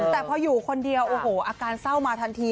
แต่พออยู่คนเดียวโอ้โหอาการเศร้ามาทันที